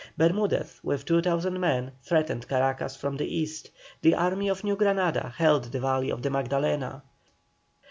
Bermudez with 2,000 men threatened Caracas from the East; the army of New Granada held the valley of the Magdalena.